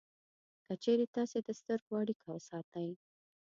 که چېرې تاسې د سترګو اړیکه وساتئ